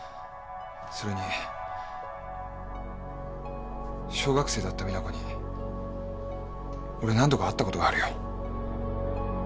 それに小学生だった実那子に俺何度か会ったことがあるよ。